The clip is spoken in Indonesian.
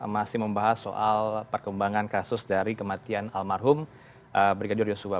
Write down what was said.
masih membahas soal perkembangan kasus dari kematian almarhum brigadir yosua